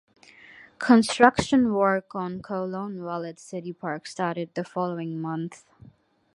Construction work on Kowloon Walled City Park started the following month.